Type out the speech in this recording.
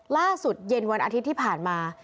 ล่าสุดเย็นวันอาทิตย์ที่ผ่านมา